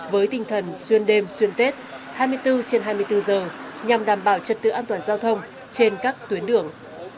với tinh thần xuyên đêm xuyên tết hai mươi bốn trên hai mươi bốn giờ nhằm đảm bảo trật tự an toàn giao thông trên các tuyến đường